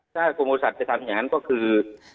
ถ้ากรมบุตรศัตริย์ไปทำอย่างนั้นก็คือ